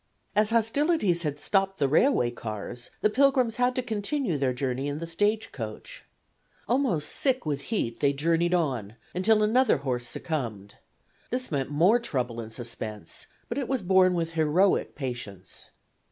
As hostilities had stopped the railway cars the pilgrims had to continue their journey in the stage coach. Almost sick with heat they journeyed on until another horse succumbed. This meant more trouble and suspense, but it was borne with heroic patience.